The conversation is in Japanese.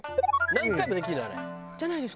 何回もできるの？